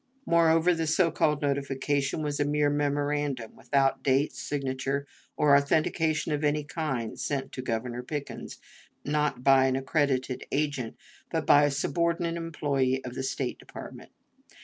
Moreover, the so called notification was a mere memorandum, without date, signature, or authentication of any kind, sent to Governor Pickens, not by an accredited agent, but by a subordinate employee of the State Department.